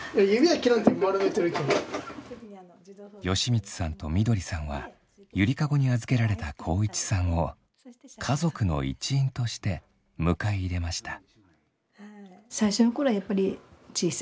美光さんとみどりさんはゆりかごに預けられた航一さんを家族の一員として迎え入れました。